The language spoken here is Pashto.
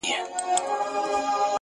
• اې د ویدي د مست سُرود او اوستا لوري_